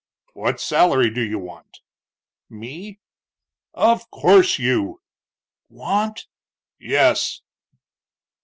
"What salary do you want?" "Me?" "Of course you." "Want?" "Yes."